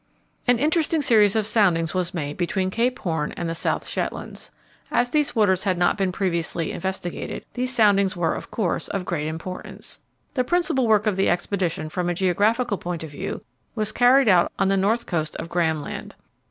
An interesting series of soundings was made between Cape Horn and the South Shetlands. As these waters had not previously been investigated, these soundings were, of course, of great importance. The principal work of the expedition, from a geographical point of view, was carried out on the north coast of Graham Land.